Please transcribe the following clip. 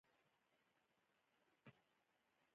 دا کنټرول په دوامداره توګه ترسره کیږي.